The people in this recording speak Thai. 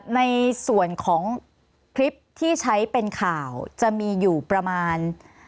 ในส่วนของคลิปที่ใช้เป็นข่าวจะมีอยู่ประมาณ